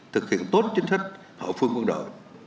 thực hiện tốt chính thức hậu phương quân đội